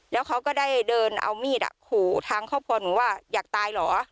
แล้วเขาก็ได้เดินเอามีดขู่ทางครอบครัวหนูว่าอยากตายเหรอ